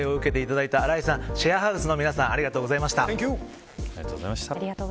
取材を受けていただいた荒井さん、シェアハウスの皆さんありがとうございました。